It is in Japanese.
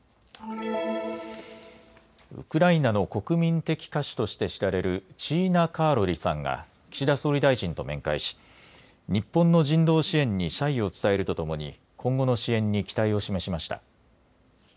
ウクライナの国民的歌手として知られるチーナ・カーロリさんが岸田総理大臣と面会し日本の人道支援に謝意を伝えるとともに今後の支援に期待を示しました。